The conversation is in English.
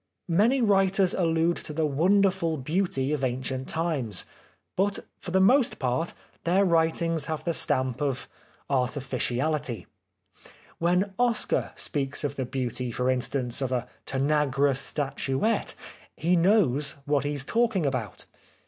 Many writers allude to the wonderful beauty of ancient times, but for the most part their writings have the stamp of 150 The Life of Oscar Wilde artificiality. When Oscar speaks of the beauty, for instance, of a Tanagra statuette he knows what he is talking about.